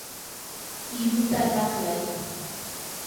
qiruta laqlay.